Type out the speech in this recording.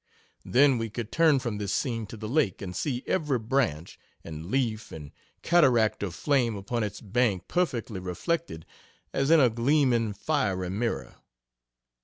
Then we could turn from this scene to the Lake, and see every branch, and leaf, and cataract of flame upon its bank perfectly reflected as in a gleaming, fiery mirror.